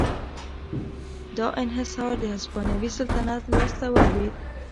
دا انحصار د هسپانوي سلطنت لاس ته ولوېد.